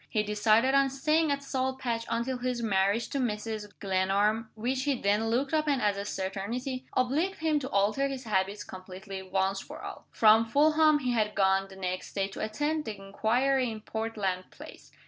He decided on staying at Salt Patch until his marriage to Mrs. Glenarm (which he then looked upon as a certainty) obliged him to alter his habits completely, once for all. From Fulham he had gone, the next day, to attend the inquiry in Portland Place.